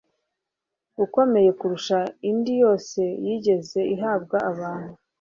ukomeye kurusha indi yose yigeze ihabwa abantu.